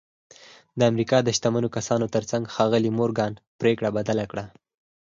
د امریکا د شتمنو کسانو ترڅنګ ښاغلي مورګان پرېکړه بدله کړه